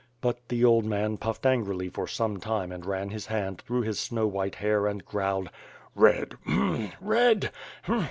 But the old man puffed angrily for some time and ran his hand through his snow white hair and growled: "Eed! Hm! Eed!